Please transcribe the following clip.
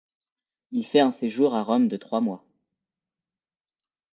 Il fait un séjour à Rome de trois mois.